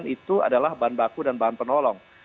itu adalah bahan baku dan bahan penolong